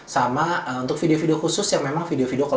sama untuk video video khusus yang memang video video call